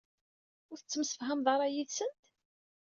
Ur tettemsefhameḍ ara yid-sent?